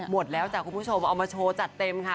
หมดแล้วจ้ะคุณผู้ชมเอามาโชว์จัดเต็มค่ะ